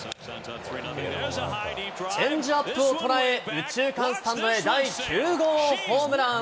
チェンジアップを捉え、右中間スタンドへ第９号ホームラン。